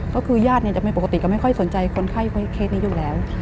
ก็คือญาติจะไม่ปกติก็ไม่ค่อยสนใจคนไข้เคสนี้อยู่แล้ว